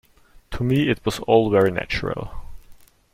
To me it was all very natural.